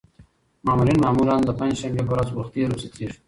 مامورین معمولاً د پنجشنبې په ورځ وخته رخصتېږي.